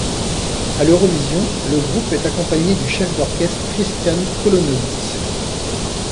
À l'Eurovision, le groupe est accompagné du chef d'orchestre Christian Kolonovits.